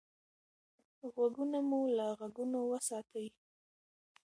غوږونه مو له غږونو وساتئ.